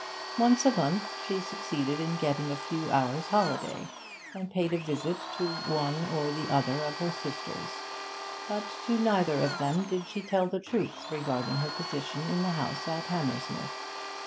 Once a month she succeeded in getting a few hours' holiday, and paid a visit to one or the other of her sisters; but to neither of them did she tell the truth regarding her position in the house at Hammersmith.